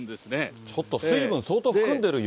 ちょっと水分相当含んでる雪